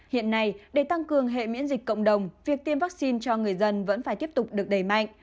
hiện nay để tăng cường hệ miễn dịch cộng đồng việc tiêm vaccine cho người dân vẫn phải tiếp tục được đẩy mạnh